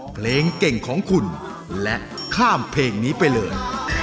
เพลงเก่งของคุณและข้ามเพลงนี้ไปเลย